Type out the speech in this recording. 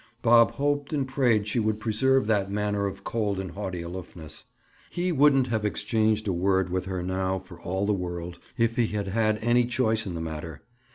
Bob hoped and prayed she would preserve that manner of cold and haughty aloofness. He wouldn't have exchanged a word with her now for all the world, if he had had any choice in the matter.